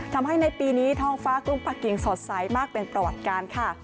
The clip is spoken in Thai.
ทำให้ในปีนี้ท้องฟ้ากรุงปะกิ่งสดใสมากเป็นประวัติการค่ะ